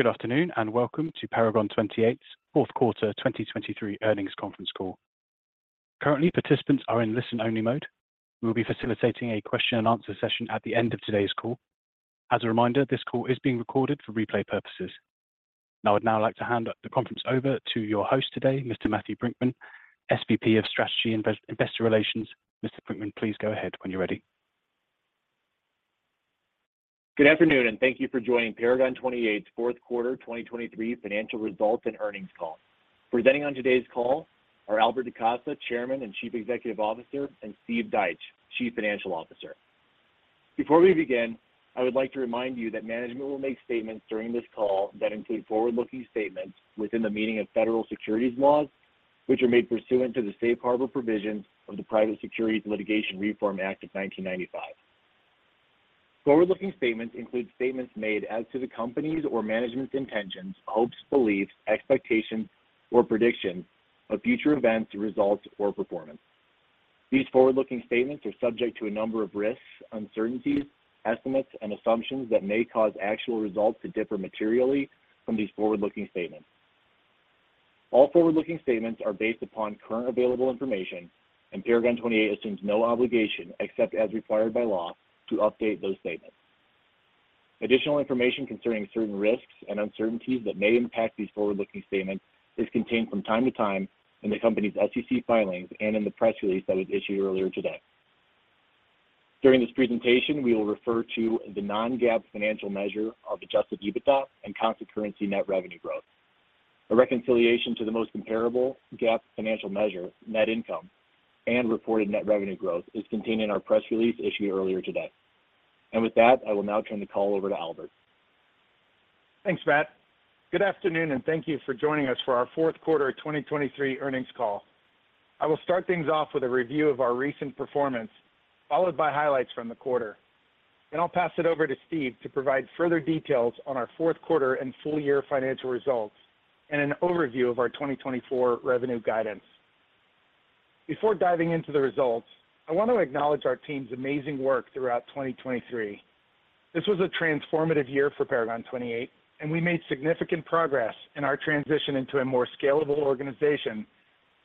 Good afternoon and welcome to Paragon 28's Q4 2023 Earnings Conference Call. Currently, participants are in listen-only mode. We will be facilitating a question-and-answer session at the end of today's call. As a reminder, this call is being recorded for replay purposes. I would now like to hand the conference over to your host today, Mr. Matthew Brinckman, SVP of Strategy and Investor Relations. Mr. Brinckman, please go ahead when you're ready. Good afternoon, and thank you for joining Paragon 28's Q4 2023 Financial Results and Earnings Call. Presenting on today's call are Albert DaCosta, Chairman and Chief Executive Officer, and Steve Deitsch, Chief Financial Officer. Before we begin, I would like to remind you that management will make statements during this call that include forward-looking statements within the meaning of federal securities laws, which are made pursuant to the safe harbor provisions of the Private Securities Litigation Reform Act of 1995. Forward-looking statements include statements made as to the company's or management's intentions, hopes, beliefs, expectations, or predictions of future events, results, or performance. These forward-looking statements are subject to a number of risks, uncertainties, estimates, and assumptions that may cause actual results to differ materially from these forward-looking statements. All forward-looking statements are based upon current available information, and Paragon 28 assumes no obligation except as required by law to update those statements. Additional information concerning certain risks and uncertainties that may impact these forward-looking statements is contained from time to time in the company's SEC filings and in the press release that was issued earlier today. During this presentation, we will refer to the non-GAAP financial measure of adjusted EBITDA and constant currency net revenue growth. A reconciliation to the most comparable GAAP financial measure, net income, and reported net revenue growth is contained in our press release issued earlier today. And with that, I will now turn the call over to Albert. Thanks, Matt. Good afternoon, and thank you for joining us for our Q4 2023 Earnings Call. I will start things off with a review of our recent performance, followed by highlights from the quarter. Then I'll pass it over to Steve to provide further details on our Q4 and full-year financial results and an overview of our 2024 revenue guidance. Before diving into the results, I want to acknowledge our team's amazing work throughout 2023. This was a transformative year for Paragon 28, and we made significant progress in our transition into a more scalable organization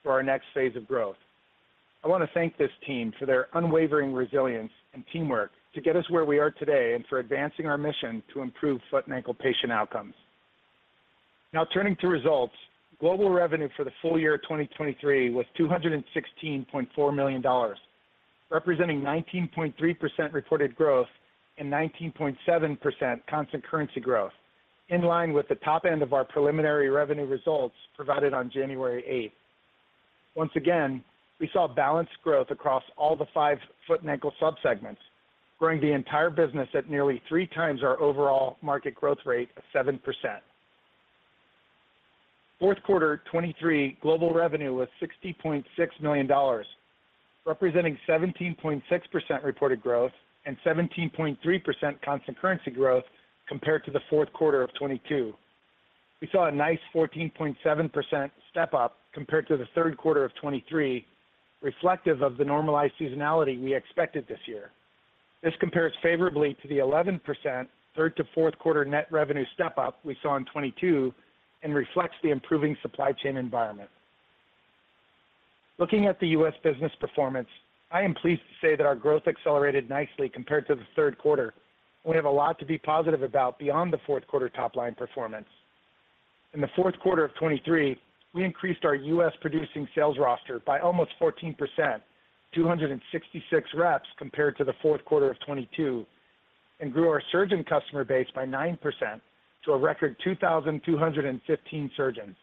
for our next phase of growth. I want to thank this team for their unwavering resilience and teamwork to get us where we are today and for advancing our mission to improve foot-and-ankle patient outcomes. Now, turning to results, global revenue for the full year 2023 was $216.4 million, representing 19.3% reported growth and 19.7% constant currency growth, in line with the top end of our preliminary revenue results provided on January 8th. Once again, we saw balanced growth across all the five foot and ankle subsegments, growing the entire business at nearly three times our overall market growth rate of 7%. Q4 2023 global revenue was $60.6 million, representing 17.6% reported growth and 17.3% constant currency growth compared to the Q4 of 2022. We saw a nice 14.7% step-up compared to the Q3 of 2023, reflective of the normalized seasonality we expected this year. This compares favorably to the 11% third-to-Q4 net revenue step-up we saw in 2022 and reflects the improving supply chain environment. Looking at the U.S. Business performance, I am pleased to say that our growth accelerated nicely compared to the Q3, and we have a lot to be positive about beyond the Q4 top-line performance. In the Q4 of 2023, we increased our U.S. producing sales roster by almost 14%, 266 reps compared to the Q4 of 2022, and grew our surgeon customer base by 9% to a record 2,215 surgeons.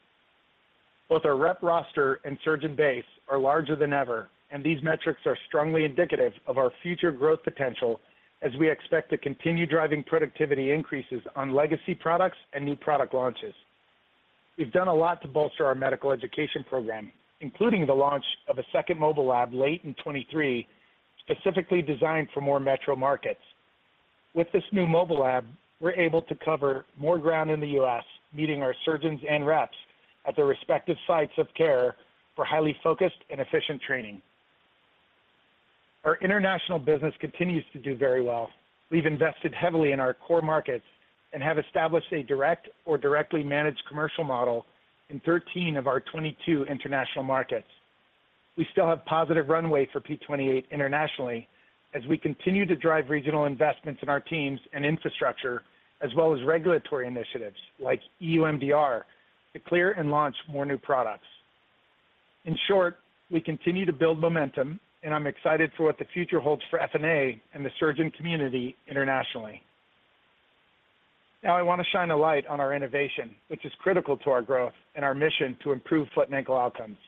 Both our rep roster and surgeon base are larger than ever, and these metrics are strongly indicative of our future growth potential as we expect to continue driving productivity increases on legacy products and new product launches. We've done a lot to bolster our medical education program, including the launch of a second mobile lab late in 2023 specifically designed for more metro markets. With this new mobile lab, we're able to cover more ground in the U.S., meeting our surgeons and reps at their respective sites of care for highly focused and efficient training. Our international business continues to do very well. We've invested heavily in our core markets and have established a direct or directly managed commercial model in 13 of our 22 international markets. We still have positive runway for P28 internationally as we continue to drive regional investments in our teams and infrastructure, as well as regulatory initiatives like EU MDR to clear and launch more new products. In short, we continue to build momentum, and I'm excited for what the future holds for F&A and the surgeon community internationally. Now, I want to shine a light on our innovation, which is critical to our growth and our mission to improve foot-and-ankle outcomes.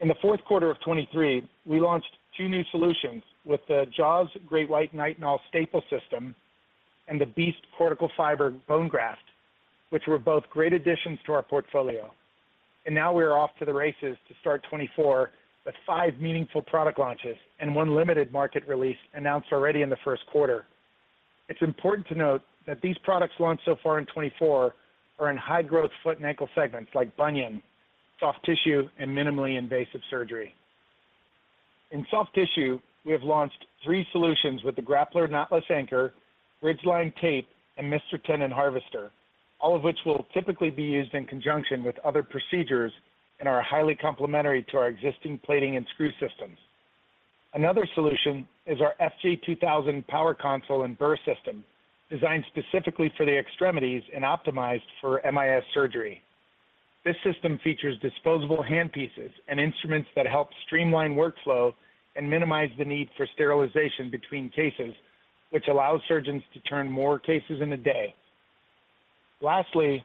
In the Q4 of 2023, we launched two new solutions with the JAWS Great White Nitinol Staple System and the Beast Cortical Fiber bone graft, which were both great additions to our portfolio. And now we are off to the races to start 2024 with five meaningful product launches and one limited market release announced already in the Q1. It's important to note that these products launched so far in 2024 are in high-growth foot-and-ankle segments like bunion, soft tissue, and minimally invasive surgery. In soft tissue, we have launched three solutions with the Grappler Knotless Anchor, Ridgeline Tape, and Mister Tendon Harvester, all of which will typically be used in conjunction with other procedures and are highly complementary to our existing plating and screw systems. Another solution is our FJ2000 Power Console and burr system, designed specifically for the extremities and optimized for MIS surgery. This system features disposable handpieces and instruments that help streamline workflow and minimize the need for sterilization between cases, which allows surgeons to turn more cases in a day. Lastly,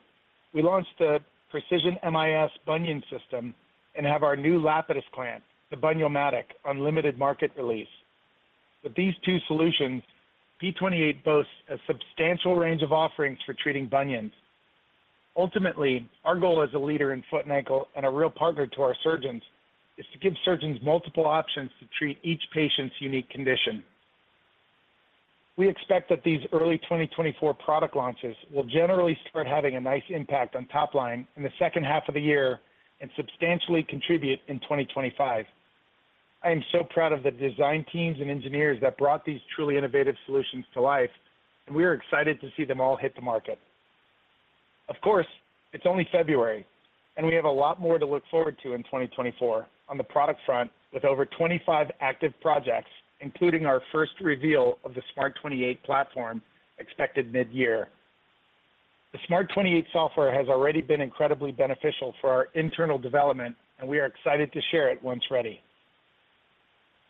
we launched the Precision MIS Bunion System and have our new Lapidus plate, the Bun-Yo-Matic, on limited market release. With these two solutions, P28 boasts a substantial range of offerings for treating bunions. Ultimately, our goal as a leader in foot and ankle and a real partner to our surgeons is to give surgeons multiple options to treat each patient's unique condition. We expect that these early 2024 product launches will generally start having a nice impact on top-line in the second half of the year and substantially contribute in 2025. I am so proud of the design teams and engineers that brought these truly innovative solutions to life, and we are excited to see them all hit the market. Of course, it's only February, and we have a lot more to look forward to in 2024 on the product front with over 25 active projects, including our first reveal of the SMART 28 platform expected mid-year. The SMART 28 software has already been incredibly beneficial for our internal development, and we are excited to share it once ready.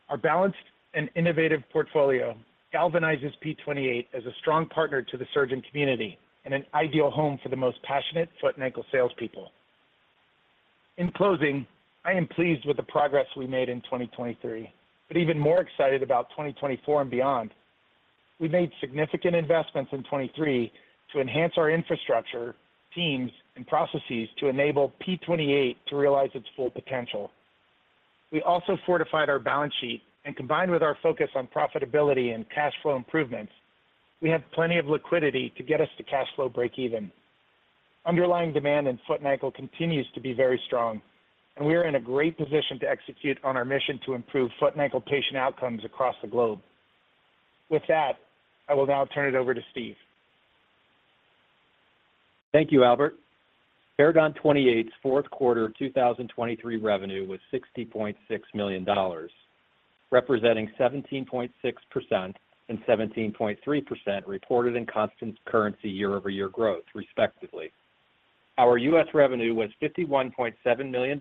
Our balanced and innovative portfolio galvanizes P28 as a strong partner to the surgeon community and an ideal home for the most passionate foot-and-ankle salespeople. In closing, I am pleased with the progress we made in 2023, but even more excited about 2024 and beyond. We made significant investments in 2023 to enhance our infrastructure, teams, and processes to enable P28 to realize its full potential. We also fortified our balance sheet, and combined with our focus on profitability and cash flow improvements, we have plenty of liquidity to get us to cash flow break-even. Underlying demand in foot and ankle continues to be very strong, and we are in a great position to execute on our mission to improve foot and ankle patient outcomes across the globe. With that, I will now turn it over to Steve. Thank you, Albert. Paragon 28's Q4 2023 revenue was $60.6 million, representing 17.6% and 17.3% reported in constant currency year-over-year growth, respectively. Our U.S. revenue was $51.7 million,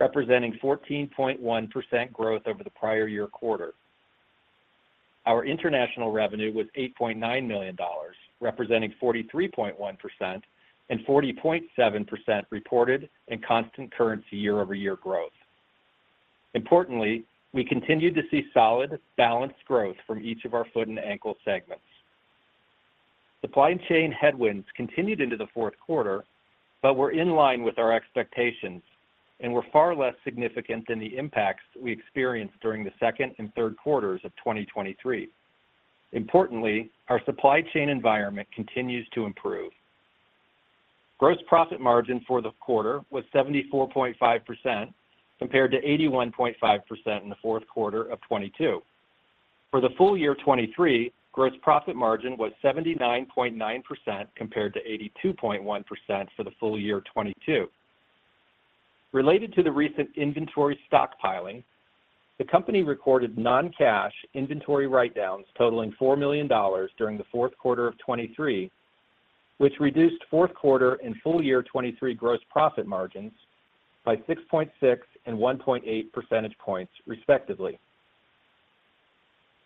representing 14.1% growth over the prior year quarter. Our international revenue was $8.9 million, representing 43.1% and 40.7% reported in constant currency year-over-year growth. Importantly, we continued to see solid, balanced growth from each of our foot and ankle segments. Supply chain headwinds continued into the Q4 but were in line with our expectations and were far less significant than the impacts we experienced during the second and Q3s of 2023. Importantly, our supply chain environment continues to improve. Gross profit margin for the quarter was 74.5% compared to 81.5% in the Q4 of 2022. For the full year 2023, gross profit margin was 79.9% compared to 82.1% for the full year 2022. Related to the recent inventory stockpiling, the company recorded non-cash inventory write-downs totaling $4 million during the Q4 of 2023, which reduced Q4 and full year 2023 gross profit margins by 6.6 and 1.8 percentage points, respectively.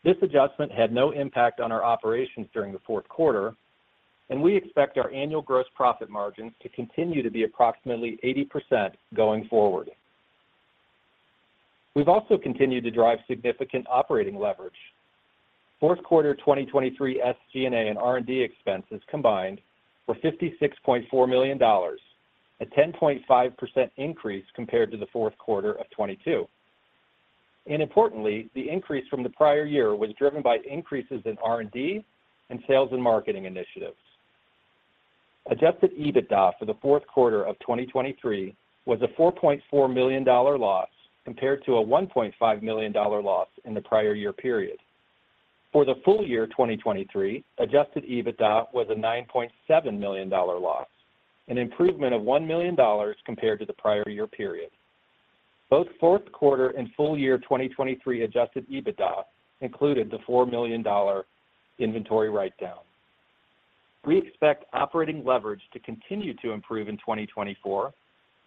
This adjustment had no impact on our operations during the Q4, and we expect our annual gross profit margins to continue to be approximately 80% going forward. We've also continued to drive significant operating leverage. Q4 2023 SG&A and R&D expenses combined were $56.4 million, a 10.5% increase compared to the Q4 of 2022. And importantly, the increase from the prior year was driven by increases in R&D and sales and marketing initiatives. Adjusted EBITDA for the Q4 of 2023 was a $4.4 million loss compared to a $1.5 million loss in the prior year period. For the full year 2023, Adjusted EBITDA was a $9.7 million loss, an improvement of $1 million compared to the prior year period. Both Q4 and full year 2023 Adjusted EBITDA included the $4 million inventory write-down. We expect operating leverage to continue to improve in 2024,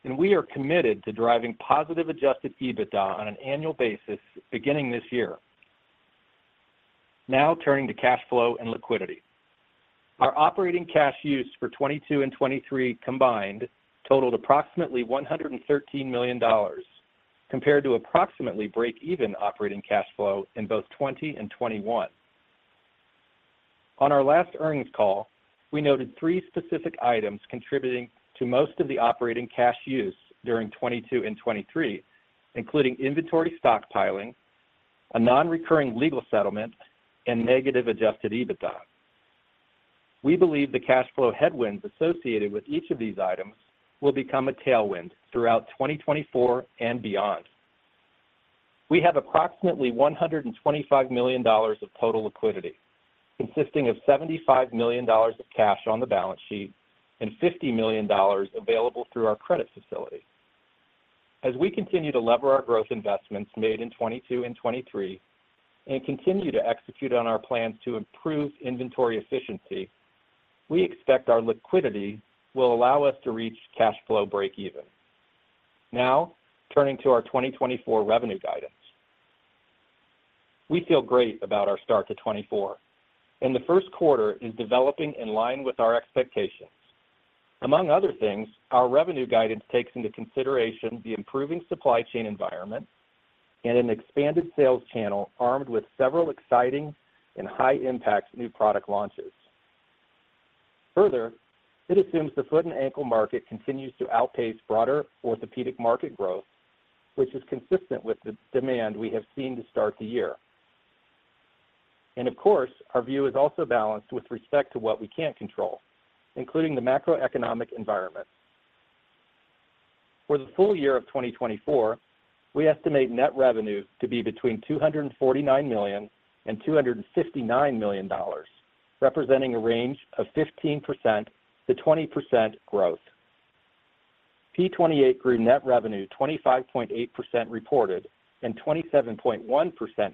and we are committed to driving positive Adjusted EBITDA on an annual basis beginning this year. Now, turning to cash flow and liquidity. Our operating cash use for 2022 and 2023 combined totaled approximately $113 million compared to approximately break-even operating cash flow in both 2020 and 2021. On our last earnings call, we noted three specific items contributing to most of the operating cash use during 2022 and 2023, including inventory stockpiling, a non-recurring legal settlement, and negative Adjusted EBITDA. We believe the cash flow headwinds associated with each of these items will become a tailwind throughout 2024 and beyond. We have approximately $125 million of total liquidity, consisting of $75 million of cash on the balance sheet and $50 million available through our credit facility. As we continue to lever our growth investments made in 2022 and 2023 and continue to execute on our plans to improve inventory efficiency, we expect our liquidity will allow us to reach cash flow break-even. Now, turning to our 2024 revenue guidance. We feel great about our start to 2024, and the Q1 is developing in line with our expectations. Among other things, our revenue guidance takes into consideration the improving supply chain environment and an expanded sales channel armed with several exciting and high-impact new product launches. Further, it assumes the foot and ankle market continues to outpace broader orthopedic market growth, which is consistent with the demand we have seen to start the year. Of course, our view is also balanced with respect to what we can't control, including the macroeconomic environment. For the full year of 2024, we estimate net revenue to be between $249 million and $259 million, representing a range of 15%-20% growth. P28 grew net revenue 25.8% reported and 27.1%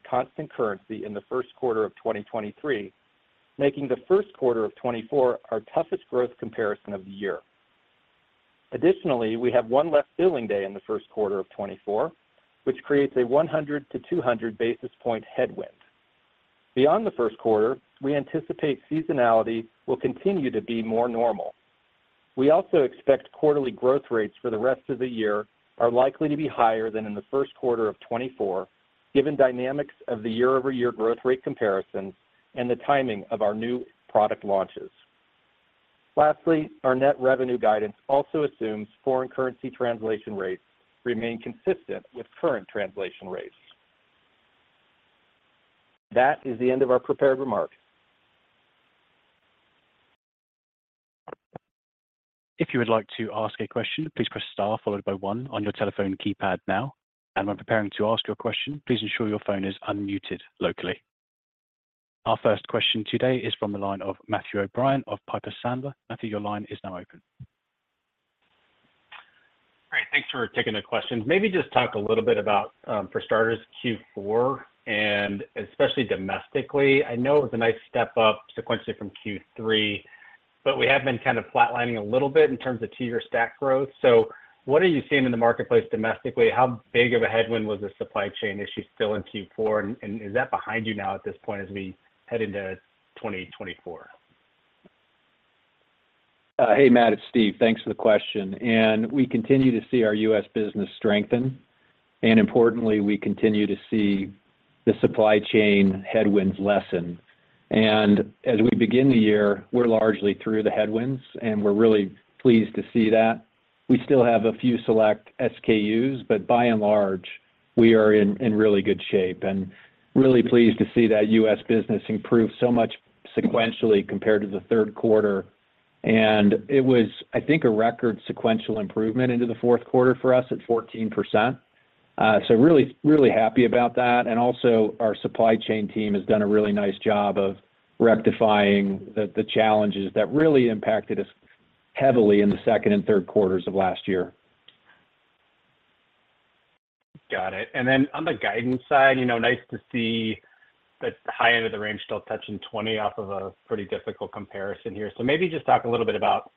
constant currency in the Q1 of 2023, making the Q1 of 2024 our toughest growth comparison of the year. Additionally, we have one left billing day in the Q1 of 2024, which creates a 100-200 basis point headwind. Beyond the Q1, we anticipate seasonality will continue to be more normal. We also expect quarterly growth rates for the rest of the year are likely to be higher than in the Q1 of 2024, given dynamics of the year-over-year growth rate comparisons and the timing of our new product launches. Lastly, our net revenue guidance also assumes foreign currency translation rates remain consistent with current translation rates. That is the end of our prepared remarks. If you would like to ask a question, please press star followed by one on your telephone keypad now. And when preparing to ask your question, please ensure your phone is unmuted locally. Our first question today is from the line of Matthew O'Brien of Piper Sandler. Matthew, your line is now open. Great. Thanks for taking the questions. Maybe just talk a little bit about, for starters, Q4 and especially domestically. I know it was a nice step up sequentially from Q3, but we have been kind of flatlining a little bit in terms of two-year stack growth. So what are you seeing in the marketplace domestically? How big of a headwind was the supply chain issue still in Q4, and is that behind you now at this point as we head into 2024? Hey, Matt, it's Steve. Thanks for the question. We continue to see our U.S. business strengthen, and importantly, we continue to see the supply chain headwinds lessen. As we begin the year, we're largely through the headwinds, and we're really pleased to see that. We still have a few select SKUs, but by and large, we are in really good shape and really pleased to see that U.S. business improve so much sequentially compared to the Q3. It was, I think, a record sequential improvement into the Q4 for us at 14%. So really, really happy about that. Also, our supply chain team has done a really nice job of rectifying the challenges that really impacted us heavily in the second and Q3s of last year. Got it. And then on the guidance side, nice to see the high end of the range still touching 20 off of a pretty difficult comparison here. So maybe just talk a little bit about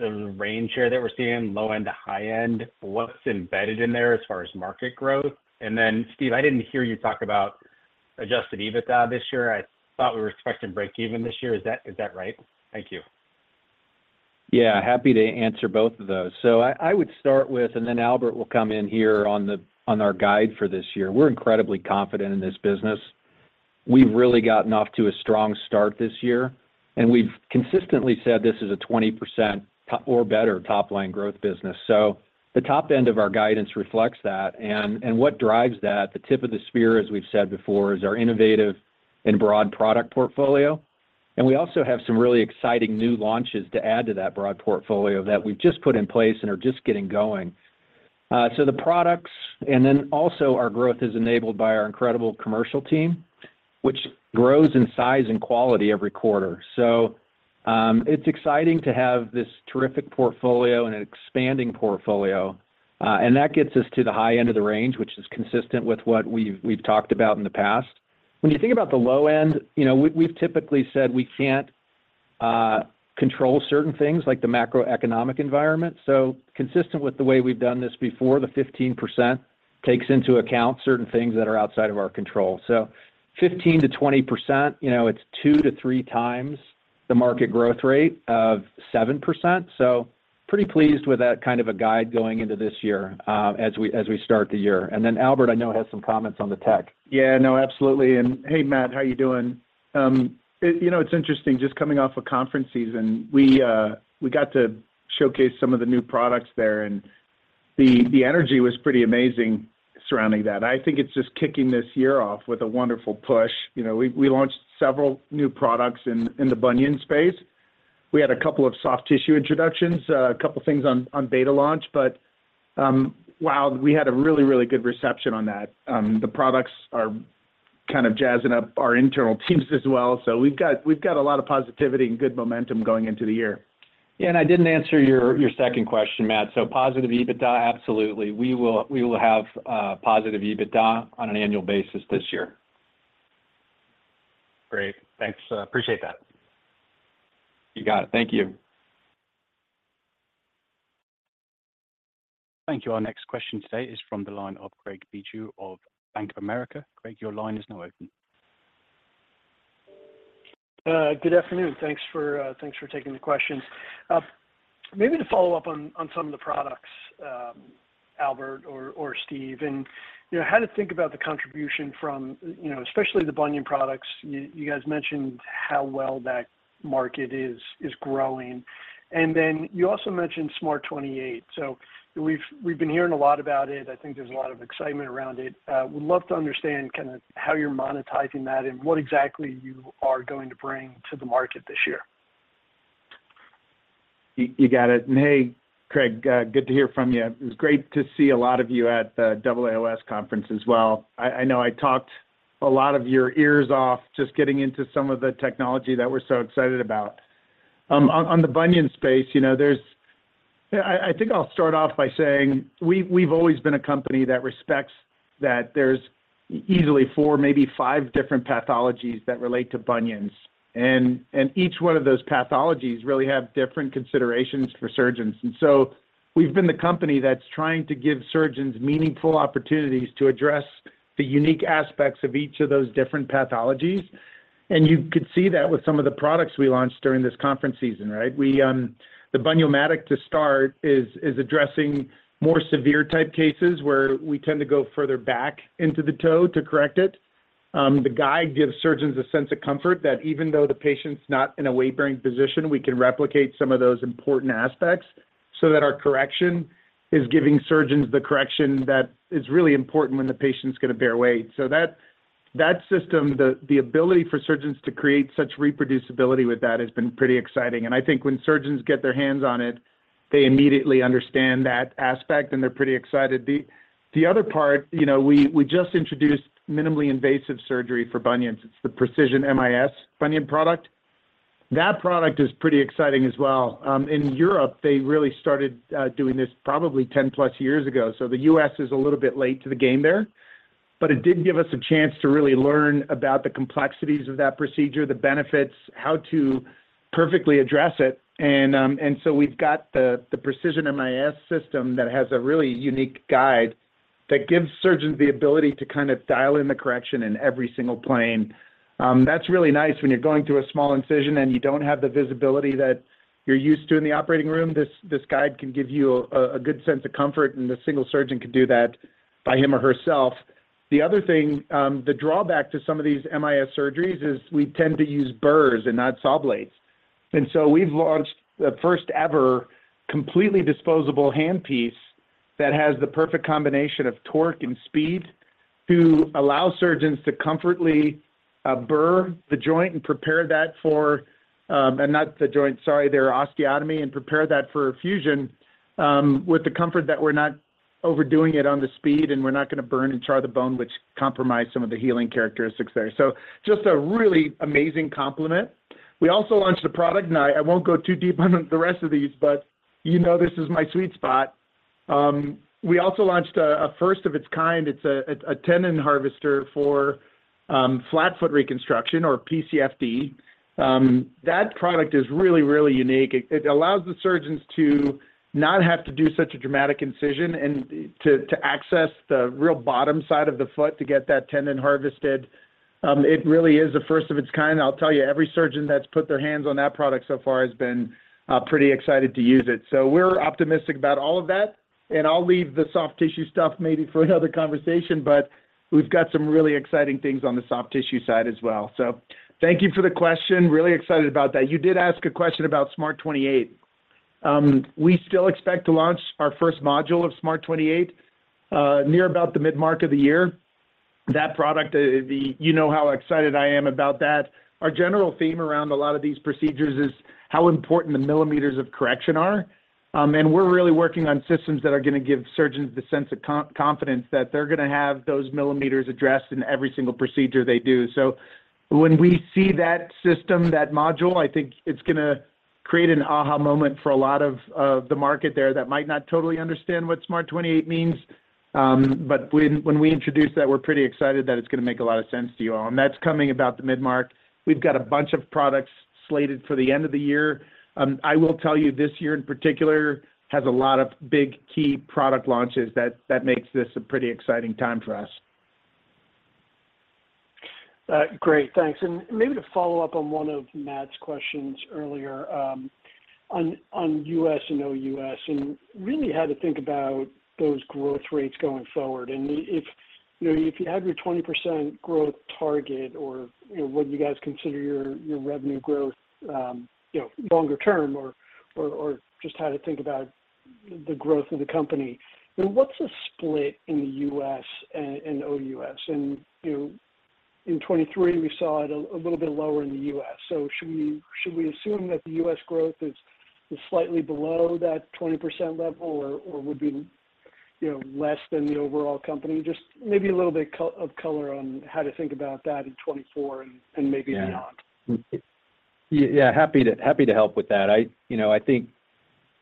the range here that we're seeing, low end to high end, what's embedded in there as far as market growth. And then, Steve, I didn't hear you talk about Adjusted EBITDA this year. I thought we were expecting break-even this year. Is that right? Thank you. Yeah, happy to answer both of those. So I would start with, and then Albert will come in here on our guidance for this year. We're incredibly confident in this business. We've really gotten off to a strong start this year, and we've consistently said this is a 20% or better top-line growth business. So the top end of our guidance reflects that. And what drives that, the tip of the spear, as we've said before, is our innovative and broad product portfolio. And we also have some really exciting new launches to add to that broad portfolio that we've just put in place and are just getting going. So the products and then also our growth is enabled by our incredible commercial team, which grows in size and quality every quarter. So it's exciting to have this terrific portfolio and an expanding portfolio. That gets us to the high end of the range, which is consistent with what we've talked about in the past. When you think about the low end, we've typically said we can't control certain things like the macroeconomic environment. Consistent with the way we've done this before, the 15% takes into account certain things that are outside of our control. 15%-20%, it's two to three times the market growth rate of 7%. Pretty pleased with that kind of a guide going into this year as we start the year. And then Albert, I know has some comments on the tech. Yeah, no, absolutely. Hey, Matt, how are you doing? It's interesting, just coming off a conference season, we got to showcase some of the new products there, and the energy was pretty amazing surrounding that. I think it's just kicking this year off with a wonderful push. We launched several new products in the bunion space. We had a couple of soft tissue introductions, a couple of things on beta launch, but wow, we had a really, really good reception on that. The products are kind of jazzing up our internal teams as well. We've got a lot of positivity and good momentum going into the year. Yeah, and I didn't answer your second question, Matt. So positive EBITDA, absolutely. We will have positive EBITDA on an annual basis this year. Great. Thanks. Appreciate that. You got it. Thank you. Thank you. Our next question today is from the line of Craig Bijou of Bank of America. Craig, your line is now open. Good afternoon. Thanks for taking the questions. Maybe to follow up on some of the products, Albert or Steve, and how to think about the contribution from especially the bunion products. You guys mentioned how well that market is growing. And then you also mentioned SMART 28. So we've been hearing a lot about it. I think there's a lot of excitement around it. Would love to understand kind of how you're monetizing that and what exactly you are going to bring to the market this year. You got it. And hey, Craig, good to hear from you. It was great to see a lot of you at the AAOS conference as well. I know I talked a lot of your ears off just getting into some of the technology that we're so excited about. On the bunion space, there's, I think, I'll start off by saying we've always been a company that respects that there's easily four, maybe five different pathologies that relate to bunions. And each one of those pathologies really have different considerations for surgeons. And so we've been the company that's trying to give surgeons meaningful opportunities to address the unique aspects of each of those different pathologies. And you could see that with some of the products we launched during this conference season, right? The Bun-Yo-Matic, to start, is addressing more severe type cases where we tend to go further back into the toe to correct it. The guide gives surgeons a sense of comfort that even though the patient's not in a weight-bearing position, we can replicate some of those important aspects so that our correction is giving surgeons the correction that is really important when the patient's going to bear weight. So that system, the ability for surgeons to create such reproducibility with that has been pretty exciting. And I think when surgeons get their hands on it, they immediately understand that aspect, and they're pretty excited. The other part, we just introduced minimally invasive surgery for bunions. It's the Precision MIS Bunion product. That product is pretty exciting as well. In Europe, they really started doing this probably 10+ years ago. So the U.S. Is a little bit late to the game there, but it did give us a chance to really learn about the complexities of that procedure, the benefits, how to perfectly address it. And so we've got the Precision MIS System that has a really unique guide that gives surgeons the ability to kind of dial in the correction in every single plane. That's really nice. When you're going through a small incision and you don't have the visibility that you're used to in the operating room, this guide can give you a good sense of comfort, and the single surgeon can do that by him or herself. The other thing, the drawback to some of these MIS surgeries is we tend to use burrs and not saw blades. So we've launched the first-ever completely disposable handpiece that has the perfect combination of torque and speed to allow surgeons to comfortably burr the joint and prepare that for and not the joint, sorry, their osteotomy and prepare that for a fusion with the comfort that we're not overdoing it on the speed, and we're not going to burn and char the bone, which compromise some of the healing characteristics there. Just a really amazing complement. We also launched a product, and I won't go too deep on the rest of these, but this is my sweet spot. We also launched a first of its kind. It's a tendon harvester for flatfoot reconstruction or PCFD. That product is really, really unique. It allows the surgeons to not have to do such a dramatic incision and to access the real bottom side of the foot to get that tendon harvested. It really is a first of its kind. I'll tell you, every surgeon that's put their hands on that product so far has been pretty excited to use it. So we're optimistic about all of that. I'll leave the soft tissue stuff maybe for another conversation, but we've got some really exciting things on the soft tissue side as well. So thank you for the question. Really excited about that. You did ask a question about SMART 28. We still expect to launch our first module of SMART 28 near about the mid-mark of the year. That product, you know how excited I am about that. Our general theme around a lot of these procedures is how important the millimeters of correction are. We're really working on systems that are going to give surgeons the sense of confidence that they're going to have those millimeters addressed in every single procedure they do. When we see that system, that module, I think it's going to create an aha moment for a lot of the market there that might not totally understand what SMART 28 means. When we introduce that, we're pretty excited that it's going to make a lot of sense to you all. That's coming about the mid-mark. We've got a bunch of products slated for the end of the year. I will tell you, this year in particular has a lot of big key product launches that makes this a pretty exciting time for us. Great. Thanks. Maybe to follow up on one of Matt's questions earlier on U.S. and OUS and really how to think about those growth rates going forward. If you had your 20% growth target or what you guys consider your revenue growth longer term or just how to think about the growth of the company, what's the split in the U.S. and OUS? In 2023, we saw it a little bit lower in the U.S. So should we assume that the U.S. growth is slightly below that 20% level, or would be less than the overall company? Just maybe a little bit of color on how to think about that in 2024 and maybe beyond. Yeah, happy to help with that. I think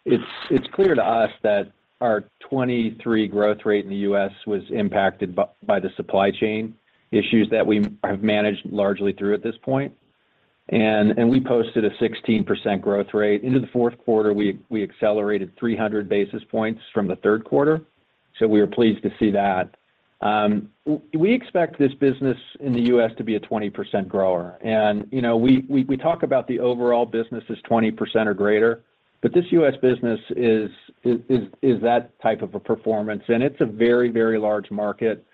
it's clear to us that our 2023 growth rate in the U.S. was impacted by the supply chain issues that we have managed largely through at this point. We posted a 16% growth rate. Into the Q4, we accelerated 300 basis points from the Q3. We were pleased to see that. We expect this business in the U.S. to be a 20% grower. We talk about the overall business as 20% or greater, but this U.S. business is that type of a performance. It's a very, very large market.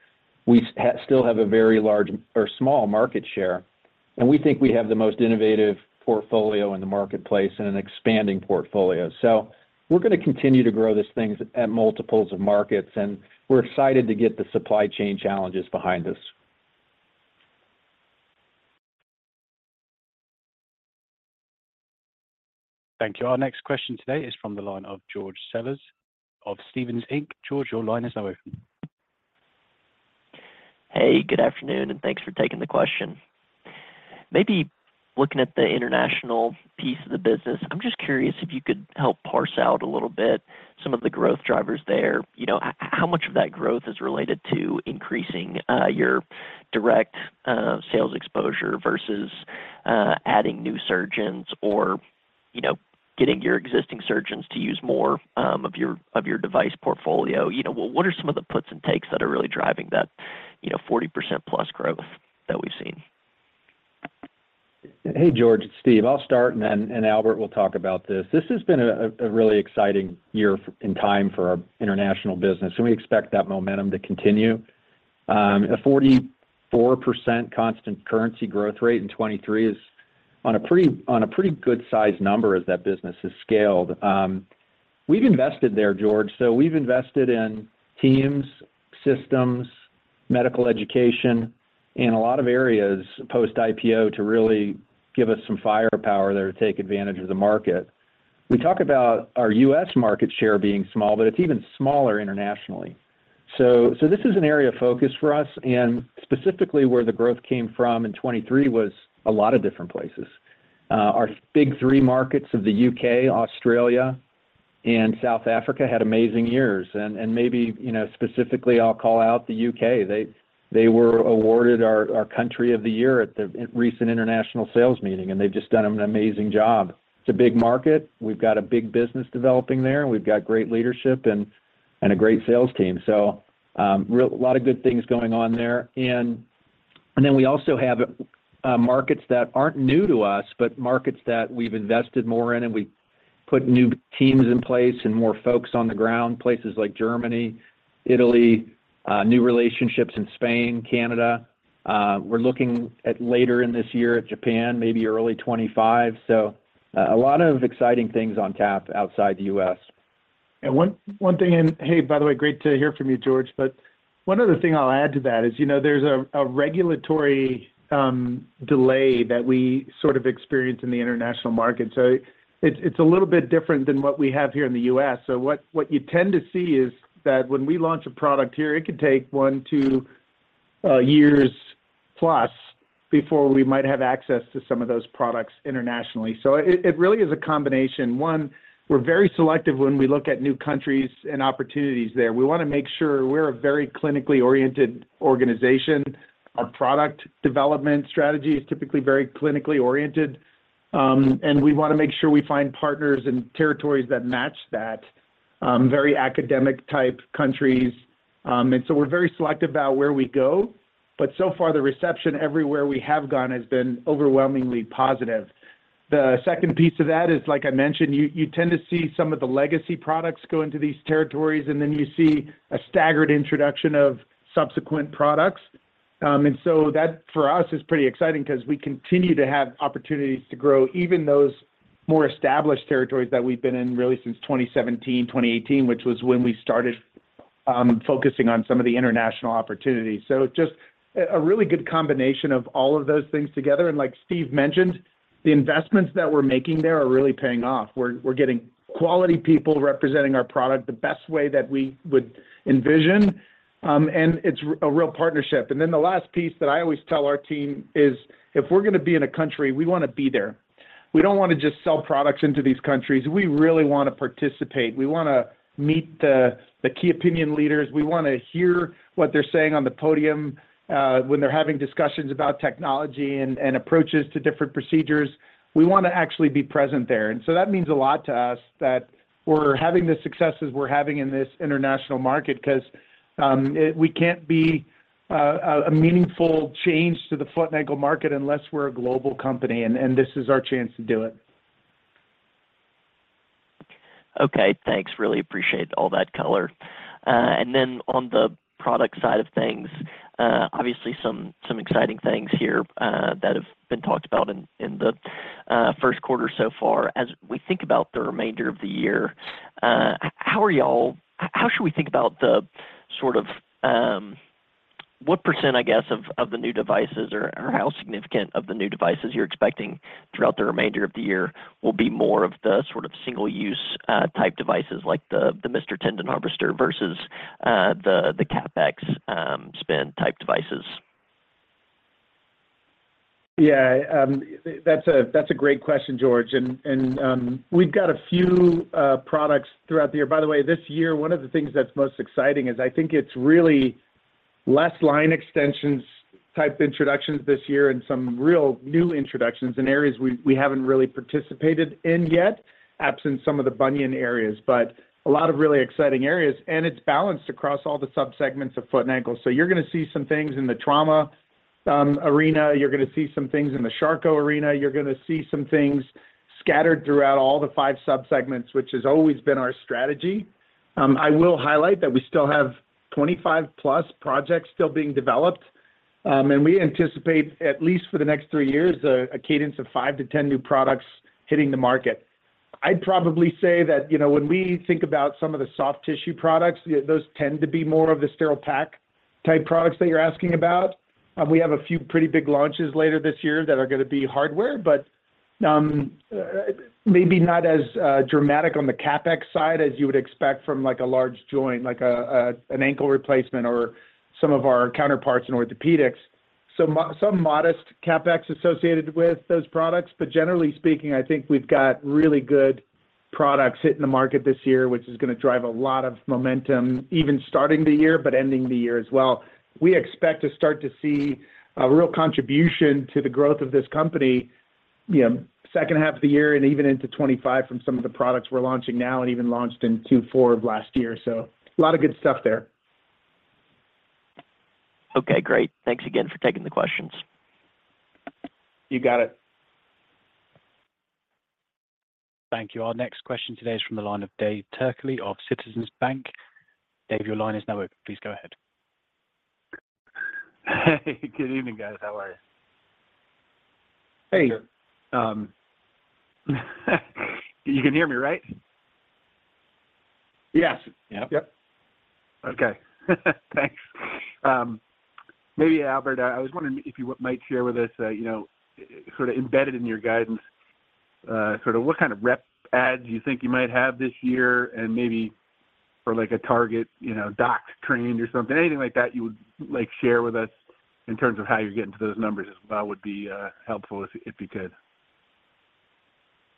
We still have a very large or small market share. We think we have the most innovative portfolio in the marketplace and an expanding portfolio. We're going to continue to grow this thing at multiples of markets. We're excited to get the supply chain challenges behind us. Thank you. Our next question today is from the line of George Sellers of Stephens Inc. George, your line is now open. Hey, good afternoon, and thanks for taking the question. Maybe looking at the international piece of the business, I'm just curious if you could help parse out a little bit some of the growth drivers there. How much of that growth is related to increasing your direct sales exposure versus adding new surgeons or getting your existing surgeons to use more of your device portfolio? What are some of the puts and takes that are really driving that 40%-plus growth that we've seen? Hey, George, it's Steve. I'll start, and then Albert will talk about this. This has been a really exciting year in time for our international business, and we expect that momentum to continue. A 44% constant currency growth rate in 2023 is on a pretty good size number as that business is scaled. We've invested there, George. We've invested in teams, systems, medical education, and a lot of areas post-IPO to really give us some firepower there to take advantage of the market. We talk about our U.S. market share being small, but it's even smaller internationally. This is an area of focus for us. Specifically, where the growth came from in 2023 was a lot of different places. Our big three markets of the UK, Australia, and South Africa had amazing years. Maybe specifically, I'll call out the UK. They were awarded our country of the year at the recent international sales meeting, and they've just done an amazing job. It's a big market. We've got a big business developing there, and we've got great leadership and a great sales team. So a lot of good things going on there. And then we also have markets that aren't new to us, but markets that we've invested more in, and we've put new teams in place and more folks on the ground, places like Germany, Italy, new relationships in Spain, Canada. We're looking later in this year at Japan, maybe early 2025. So a lot of exciting things on tap outside the U.S. One thing, hey, by the way, great to hear from you, George. But one other thing I'll add to that is there's a regulatory delay that we sort of experience in the international market. So it's a little bit different than what we have here in the U.S. So what you tend to see is that when we launch a product here, it could take one, two years plus before we might have access to some of those products internationally. So it really is a combination. One, we're very selective when we look at new countries and opportunities there. We want to make sure we're a very clinically oriented organization. Our product development strategy is typically very clinically oriented. And we want to make sure we find partners and territories that match that, very academic-type countries. And so we're very selective about where we go. But so far, the reception everywhere we have gone has been overwhelmingly positive. The second piece of that is, like I mentioned, you tend to see some of the legacy products go into these territories, and then you see a staggered introduction of subsequent products. And so that, for us, is pretty exciting because we continue to have opportunities to grow even those more established territories that we've been in really since 2017, 2018, which was when we started focusing on some of the international opportunities. So just a really good combination of all of those things together. And like Steve mentioned, the investments that we're making there are really paying off. We're getting quality people representing our product the best way that we would envision. And it's a real partnership. The last piece that I always tell our team is if we're going to be in a country, we want to be there. We don't want to just sell products into these countries. We really want to participate. We want to meet the key opinion leaders. We want to hear what they're saying on the podium when they're having discussions about technology and approaches to different procedures. We want to actually be present there. So that means a lot to us that we're having the successes we're having in this international market because we can't be a meaningful change to the foot and ankle market unless we're a global company. This is our chance to do it. Okay. Thanks. Really appreciate all that color. And then on the product side of things, obviously, some exciting things here that have been talked about in the Q1 so far. As we think about the remainder of the year, how should we think about the sort of what %, I guess, of the new devices or how significant of the new devices you're expecting throughout the remainder of the year will be more of the sort of single-use type devices like the Mister Tendon Harvester versus the CapEx spend type devices? Yeah, that's a great question, George. And we've got a few products throughout the year. By the way, this year, one of the things that's most exciting is I think it's really less line extensions type introductions this year and some real new introductions in areas we haven't really participated in yet, absent some of the bunion areas, but a lot of really exciting areas. And it's balanced across all the subsegments of foot and ankle. So you're going to see some things in the trauma arena. You're going to see some things in the Charcot arena. You're going to see some things scattered throughout all the five subsegments, which has always been our strategy. I will highlight that we still have 25-plus projects still being developed. And we anticipate, at least for the next three years, a cadence of 5 to 10 new products hitting the market. I'd probably say that when we think about some of the soft tissue products, those tend to be more of the sterile pack type products that you're asking about. We have a few pretty big launches later this year that are going to be hardware, but maybe not as dramatic on the CapEx side as you would expect from a large joint, like an ankle replacement or some of our counterparts in orthopedics. So some modest CapEx associated with those products. But generally speaking, I think we've got really good products hitting the market this year, which is going to drive a lot of momentum, even starting the year but ending the year as well. We expect to start to see a real contribution to the growth of this company second half of the year and even into 2025 from some of the products we're launching now and even launched in Q4 of last year. So a lot of good stuff there. Okay. Great. Thanks again for taking the questions. You got it. Thank you. Our next question today is from the line of Dave Turkaly of Citizens Bank. Dave, your line is now open. Please go ahead. Hey, good evening, guys. How are you? Hey. You can hear me, right? Yes. Yep. Okay. Thanks. Maybe, Albert, I was wondering if you might share with us sort of embedded in your guidance, sort of what kind of rep ads you think you might have this year. And maybe for a target doc trained or something, anything like that you would share with us in terms of how you're getting to those numbers as well would be helpful if you could.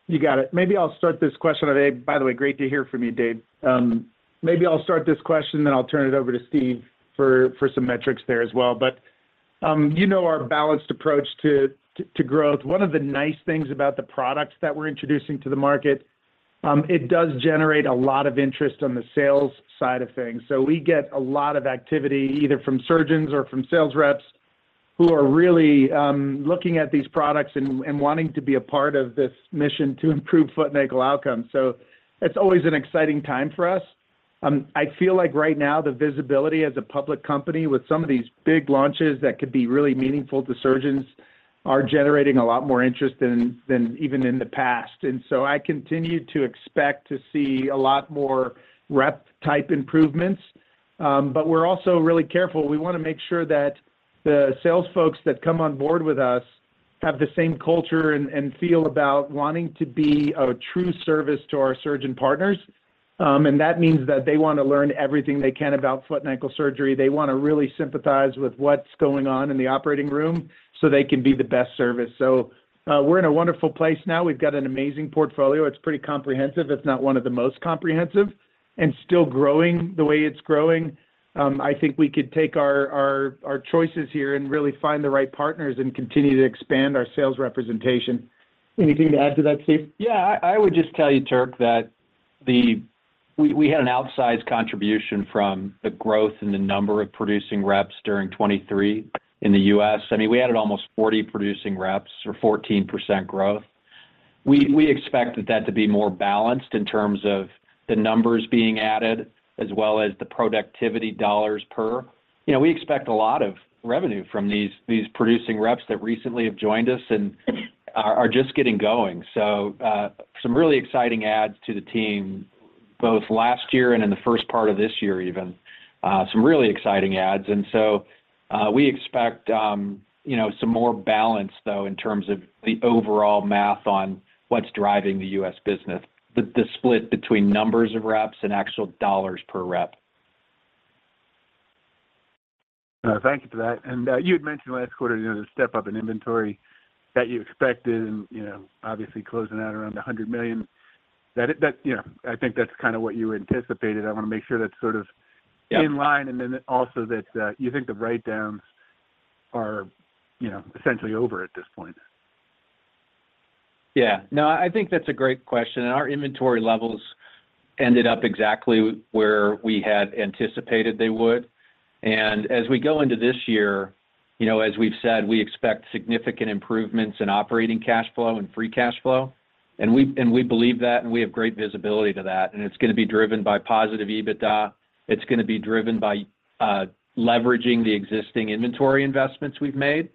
You got it. Maybe I'll start this question today. By the way, great to hear from you, Dave. Maybe I'll start this question, then I'll turn it over to Steve for some metrics there as well. But you know our balanced approach to growth. One of the nice things about the products that we're introducing to the market, it does generate a lot of interest on the sales side of things. So we get a lot of activity either from surgeons or from sales reps who are really looking at these products and wanting to be a part of this mission to improve foot and ankle outcomes. So it's always an exciting time for us. I feel like right now, the visibility as a public company with some of these big launches that could be really meaningful to surgeons are generating a lot more interest than even in the past. And so I continue to expect to see a lot more rep type improvements. But we're also really careful. We want to make sure that the sales folks that come on board with us have the same culture and feel about wanting to be a true service to our surgeon partners. And that means that they want to learn everything they can about foot and ankle surgery. They want to really sympathize with what's going on in the operating room so they can be the best service. So we're in a wonderful place now. We've got an amazing portfolio. It's pretty comprehensive, if not one of the most comprehensive, and still growing the way it's growing. I think we could take our choices here and really find the right partners and continue to expand our sales representation. Anything to add to that, Steve? Yeah. I would just tell you, Turk, that we had an outsized contribution from the growth in the number of producing reps during 2023 in the U.S. I mean, we had almost 40 producing reps or 14% growth. We expect that that to be more balanced in terms of the numbers being added as well as the productivity dollars per. We expect a lot of revenue from these producing reps that recently have joined us and are just getting going. So some really exciting adds to the team, both last year and in the first part of this year even, some really exciting adds. And so we expect some more balance, though, in terms of the overall math on what's driving the U.S. business, the split between numbers of reps and actual dollars per rep. Thank you for that. You had mentioned last quarter the step-up in inventory that you expected and obviously closing out around $100 million. I think that's kind of what you anticipated. I want to make sure that's sort of in line and then also that you think the write-downs are essentially over at this point. Yeah. No, I think that's a great question. And our inventory levels ended up exactly where we had anticipated they would. And as we go into this year, as we've said, we expect significant improvements in operating cash flow and free cash flow. And we believe that, and we have great visibility to that. And it's going to be driven by positive EBITDA. It's going to be driven by leveraging the existing inventory investments we've made.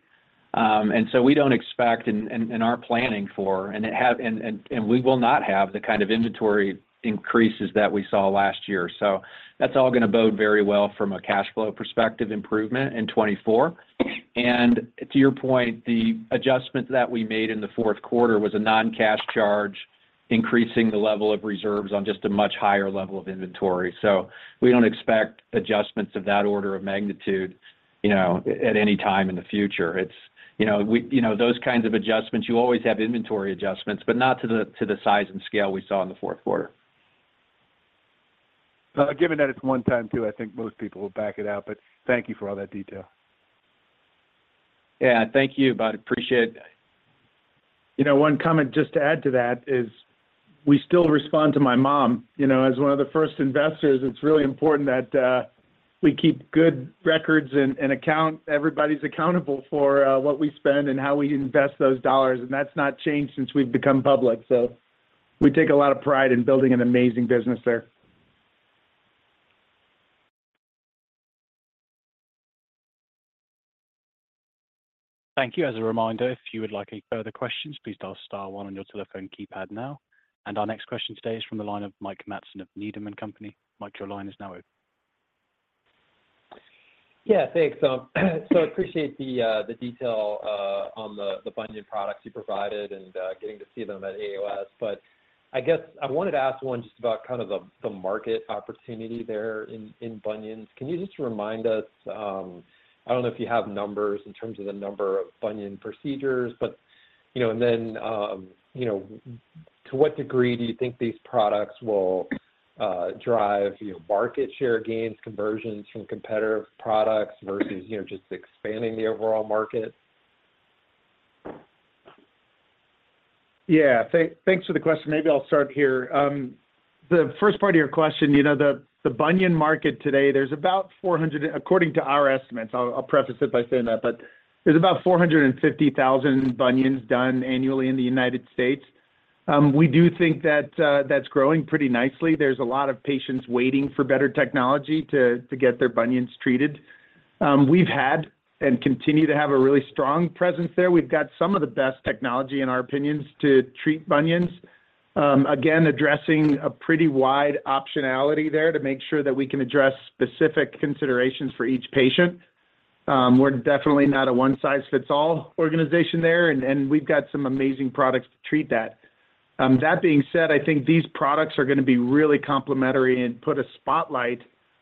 And so we don't expect and are planning for and we will not have the kind of inventory increases that we saw last year. So that's all going to bode very well from a cash flow perspective improvement in 2024. And to your point, the adjustment that we made in the Q4 was a non-cash charge increasing the level of reserves on just a much higher level of inventory. We don't expect adjustments of that order of magnitude at any time in the future. It's those kinds of adjustments. You always have inventory adjustments, but not to the size and scale we saw in the Q4. Given that it's one-time too, I think most people will back it out. But thank you for all that detail. Yeah. Thank you, bud. Appreciate it. One comment just to add to that is we still respond to my mom. As one of the first investors, it's really important that we keep good records and everybody's accountable for what we spend and how we invest those dollars. That's not changed since we've become public. We take a lot of pride in building an amazing business there. Thank you. As a reminder, if you would like any further questions, please dial star one on your telephone keypad now. Our next question today is from the line of Mike Matson of Needham & Company. Mike, your line is now open. Yeah. Thanks. So I appreciate the detail on the bunion products you provided and getting to see them at AAOS. But I guess I wanted to ask one just about kind of the market opportunity there in bunions. Can you just remind us? I don't know if you have numbers in terms of the number of bunion procedures, but and then to what degree do you think these products will drive market share gains, conversions from competitive products versus just expanding the overall market? Yeah. Thanks for the question. Maybe I'll start here. The first part of your question, the bunion market today, there's about 400 according to our estimates - I'll preface it by saying that - but there's about 450,000 bunions done annually in the United States. We do think that that's growing pretty nicely. There's a lot of patients waiting for better technology to get their bunions treated. We've had and continue to have a really strong presence there. We've got some of the best technology, in our opinions, to treat bunions, again, addressing a pretty wide optionality there to make sure that we can address specific considerations for each patient. We're definitely not a one-size-fits-all organization there, and we've got some amazing products to treat that. That being said, I think these products are going to be really complementary and put a spotlight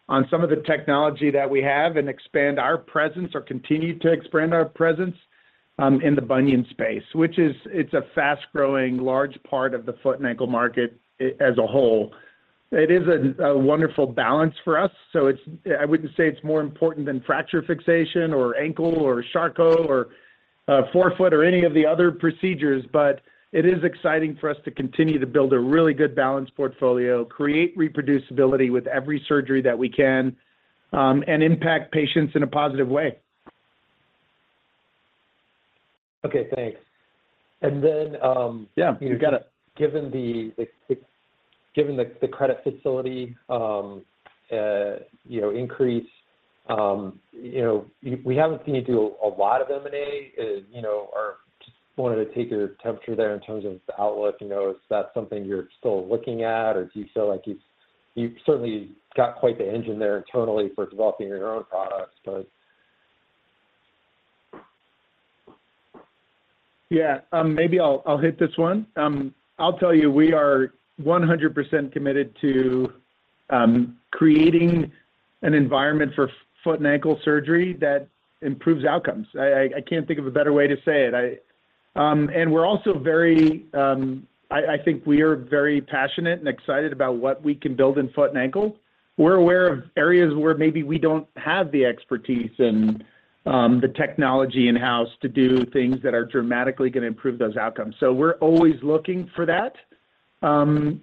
on some of the technology that we have and expand our presence or continue to expand our presence in the bunion space, which is—it's a fast-growing, large part of the foot and ankle market as a whole. It is a wonderful balance for us. So I wouldn't say it's more important than fracture fixation or ankle or Charcot or forefoot or any of the other procedures. But it is exciting for us to continue to build a really good balanced portfolio, create reproducibility with every surgery that we can, and impact patients in a positive way. Okay. Thanks. And then. Yeah. You got it. Given the credit facility increase, we haven't seen you do a lot of M&A. I just wanted to take your temperature there in terms of the outlook. Is that something you're still looking at, or do you feel like you've certainly got quite the engine there internally for developing your own products, but? Yeah. Maybe I'll hit this one. I'll tell you, we are 100% committed to creating an environment for foot and ankle surgery that improves outcomes. I can't think of a better way to say it. And we're also very, I think, very passionate and excited about what we can build in foot and ankle. We're aware of areas where maybe we don't have the expertise and the technology in-house to do things that are dramatically going to improve those outcomes. So we're always looking for that. And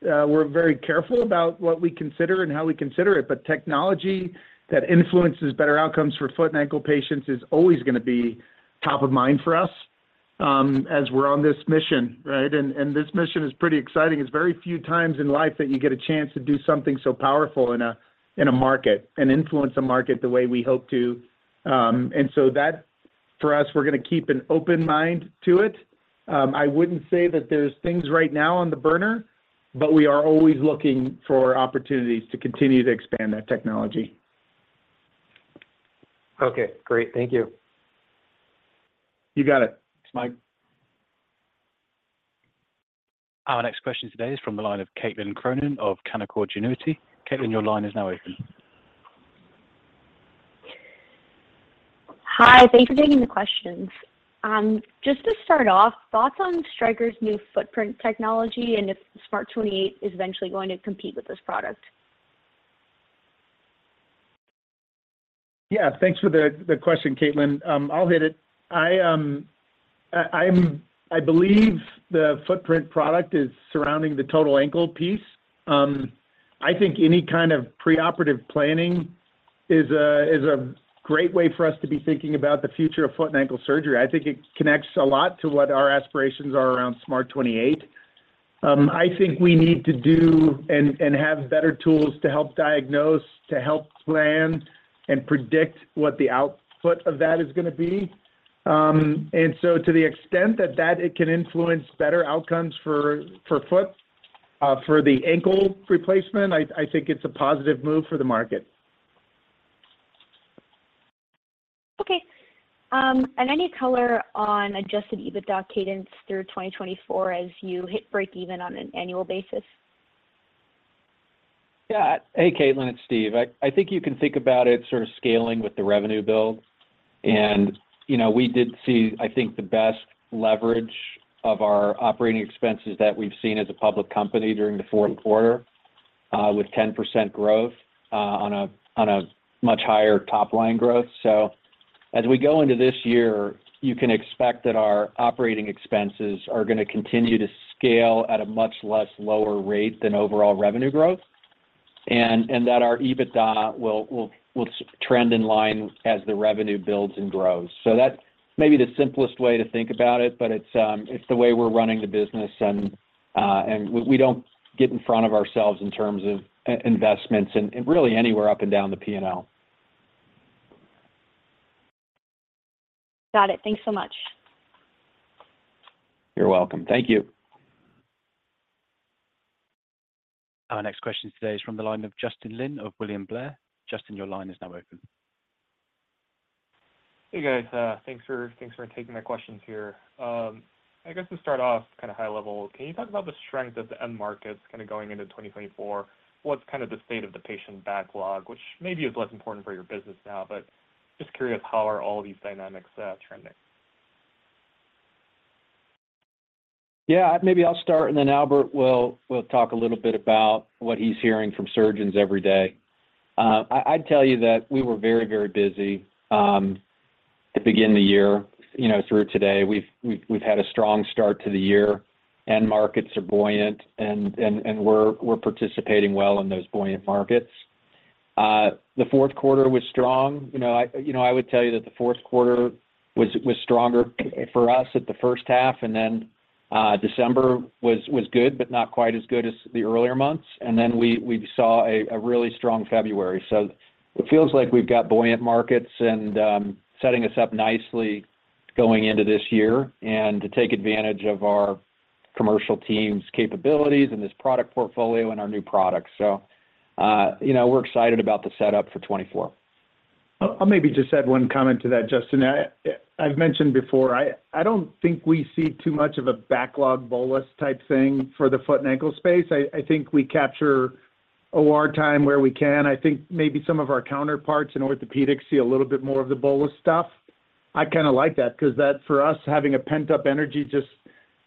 we're very careful about what we consider and how we consider it. But technology that influences better outcomes for foot and ankle patients is always going to be top of mind for us as we're on this mission, right? And this mission is pretty exciting. It's very few times in life that you get a chance to do something so powerful in a market and influence a market the way we hope to. And so for us, we're going to keep an open mind to it. I wouldn't say that there's things right now on the burner, but we are always looking for opportunities to continue to expand that technology. Okay. Great. Thank you. You got it. Thanks, Mike. Our next question today is from the line of Caitlin Cronin of Canaccord Genuity. Caitlin, your line is now open. Hi. Thanks for taking the questions. Just to start off, thoughts on Stryker's new footprint technology and if SMART 28 is eventually going to compete with this product? Yeah. Thanks for the question, Caitlin. I'll hit it. I believe the footprint product is surrounding the total ankle piece. I think any kind of preoperative planning is a great way for us to be thinking about the future of foot and ankle surgery. I think it connects a lot to what our aspirations are around SMART 28. I think we need to do and have better tools to help diagnose, to help plan, and predict what the output of that is going to be. And so to the extent that that can influence better outcomes for foot, for the ankle replacement, I think it's a positive move for the market. Okay. And any color on Adjusted EBITDA cadence through 2024 as you hit break-even on an annual basis? Yeah. Hey, Caitlin. It's Steve. I think you can think about it sort of scaling with the revenue build. And we did see, I think, the best leverage of our operating expenses that we've seen as a public company during the Q4 with 10% growth on a much higher top-line growth. So as we go into this year, you can expect that our operating expenses are going to continue to scale at a much less lower rate than overall revenue growth and that our EBITDA will trend in line as the revenue builds and grows. So that's maybe the simplest way to think about it, but it's the way we're running the business. And we don't get in front of ourselves in terms of investments and really anywhere up and down the P&L. Got it. Thanks so much. You're welcome. Thank you. Our next question today is from the line of Justin Lin of William Blair. Justin, your line is now open. Hey, guys. Thanks for taking my questions here. I guess to start off, kind of high-level, can you talk about the strength of the MIS markets kind of going into 2024? What's kind of the state of the patient backlog, which maybe is less important for your business now, but just curious, how are all of these dynamics trending? Yeah. Maybe I'll start, and then Albert will talk a little bit about what he's hearing from surgeons every day. I'd tell you that we were very, very busy to begin the year through today. We've had a strong start to the year. Our markets are buoyant, and we're participating well in those buoyant markets. The Q4 was strong. I would tell you that the Q4 was stronger for us than the first half, and then December was good but not quite as good as the earlier months. And then we saw a really strong February. So it feels like we've got buoyant markets and setting us up nicely going into this year and to take advantage of our commercial team's capabilities and this product portfolio and our new products. So we're excited about the setup for 2024. I'll maybe just add one comment to that, Justin. I've mentioned before, I don't think we see too much of a backlog bolus type thing for the foot and ankle space. I think we capture OR time where we can. I think maybe some of our counterparts in orthopedics see a little bit more of the bolus stuff. I kind of like that because for us, having a pent-up energy,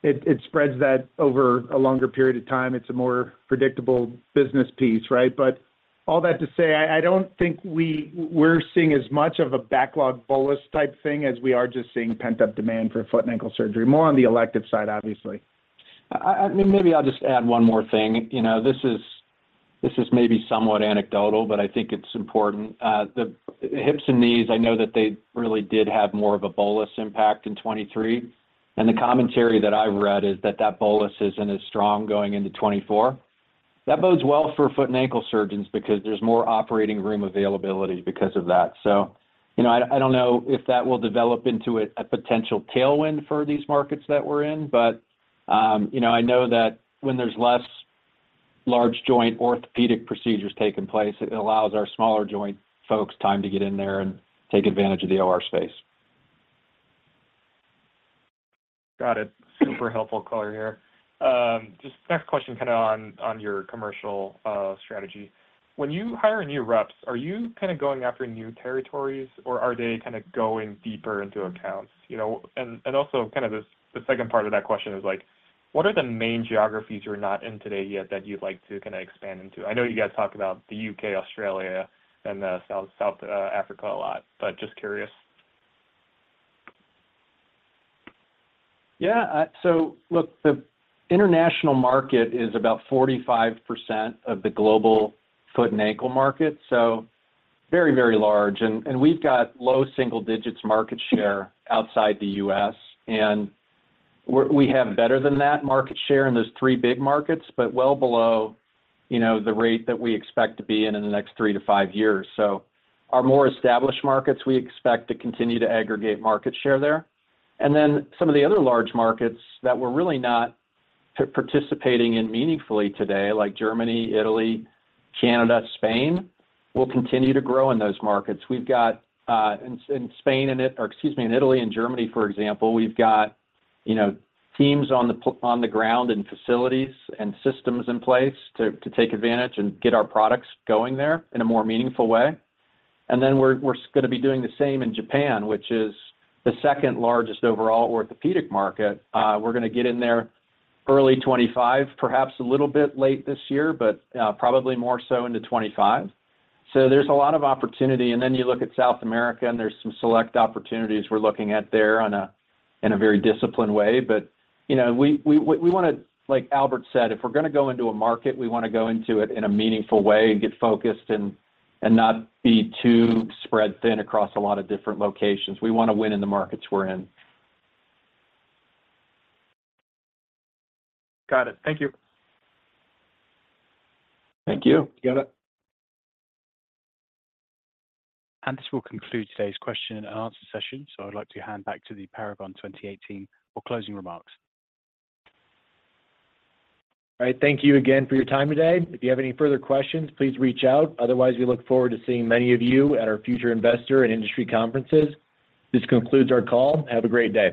it spreads that over a longer period of time. It's a more predictable business piece, right? But all that to say, I don't think we're seeing as much of a backlog bolus type thing as we are just seeing pent-up demand for foot and ankle surgery, more on the elective side, obviously. I mean, maybe I'll just add one more thing. This is maybe somewhat anecdotal, but I think it's important. The hips and knees, I know that they really did have more of a bolus impact in 2023. The commentary that I've read is that that bolus isn't as strong going into 2024. That bodes well for foot and ankle surgeons because there's more operating room availability because of that. I don't know if that will develop into a potential tailwind for these markets that we're in, but I know that when there's less large joint orthopedic procedures taking place, it allows our smaller joint folks time to get in there and take advantage of the OR space. Got it. Super helpful color here. Just next question kind of on your commercial strategy. When you hire new reps, are you kind of going after new territories, or are they kind of going deeper into accounts? And also kind of the second part of that question is, what are the main geographies you're not in today yet that you'd like to kind of expand into? I know you guys talk about the U.K., Australia, and South Africa a lot, but just curious. Yeah. So look, the international market is about 45% of the global foot and ankle market, so very, very large. And we've got low single-digits market share outside the U.S. And we have better than that market share in those 3 big markets, but well below the rate that we expect to be in in the next 3-5 years. So our more established markets, we expect to continue to aggregate market share there. And then some of the other large markets that we're really not participating in meaningfully today, like Germany, Italy, Canada, Spain, will continue to grow in those markets. We've got in Spain or excuse me, in Italy and Germany, for example, we've got teams on the ground and facilities and systems in place to take advantage and get our products going there in a more meaningful way. And then we're going to be doing the same in Japan, which is the second largest overall orthopedic market. We're going to get in there early 2025, perhaps a little bit late this year, but probably more so into 2025. So there's a lot of opportunity. And then you look at South America, and there's some select opportunities we're looking at there in a very disciplined way. But we want to, like Albert said, if we're going to go into a market, we want to go into it in a meaningful way and get focused and not be too spread thin across a lot of different locations. We want to win in the markets we're in. Got it. Thank you. Thank you. You got it. This will conclude today's question and answer session. I'd like to hand back to the Paragon 28 team for closing remarks. All right. Thank you again for your time today. If you have any further questions, please reach out. Otherwise, we look forward to seeing many of you at our future investor and industry conferences. This concludes our call. Have a great day.